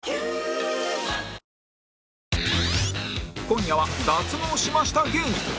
今夜は脱毛しました芸人